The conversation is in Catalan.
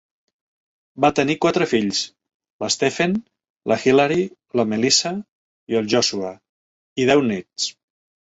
Va tenir quatre fills (l'Stephen, la Hilary, la Melissa i el Joshua) i deu nets.